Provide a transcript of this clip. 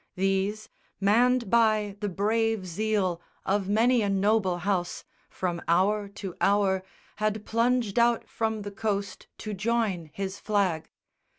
These, manned by the brave zeal Of many a noble house, from hour to hour Had plunged out from the coast to join his flag.